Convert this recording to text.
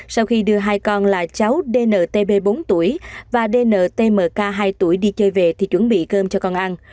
sau khi đưa hai con là cháu dnt bốn tuổi và dntmk hai tuổi đi chơi về thì chuẩn bị cơm cho con ăn